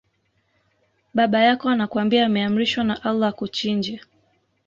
Baba yako anakwambia ameamrishwa na Allah akuchinje